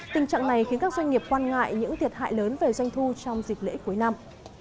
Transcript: tình trạng này khiến các doanh nghiệp quan ngại những thiệt hại lớn về doanh thu trong dịp lễ cuối năm